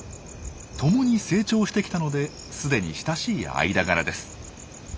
共に成長してきたのですでに親しい間柄です。